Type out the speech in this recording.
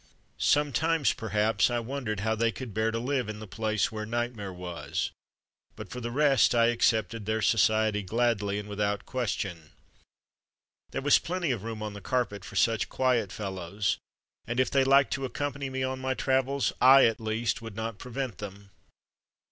Sometimes, perhaps, I wondered how they could bear to live in the place where nightmare was ; but for the rest I accepted their society gladly and with out question. There was plenty of room on the carpet for such quiet fellows, and if they liked to accompany me on my travels I, at least, would not prevent them.